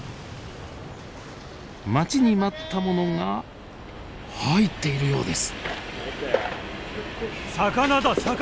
待ちに待ったものが入っているようです。